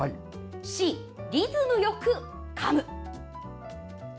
Ｃ、リズムよくかむ。